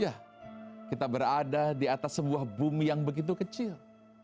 ya kita berada di atas sebuah bumi yang begitu kecil